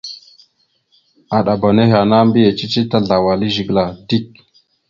Aɗaba nehe ana mbiyez cici tazlawal e zigəla dik.